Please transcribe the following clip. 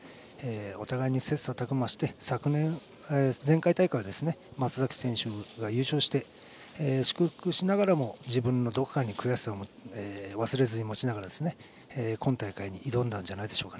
お互いに切さたく磨して前回大会は松崎選手が優勝して祝福しながらも自分のどこかに悔しさを忘れずに持ちながら今大会に挑んだんじゃないでしょうか。